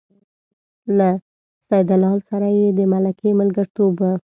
له سیدلال سره یې د ملکۍ ملګرتوب و.